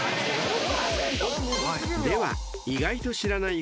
［では意外と知らない］